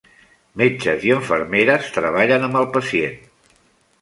Metges i infermeres treballen amb el pacient.